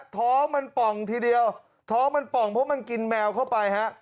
ท้องมันป่องทีเดียวท้องมันป่องเพราะมันกินแมวเข้าไปฮะ